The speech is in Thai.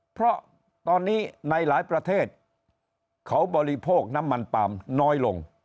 เพราะตอนนี้ในหลายประเทศเขาบริโภคน้ำมันปาล์มน้อยลง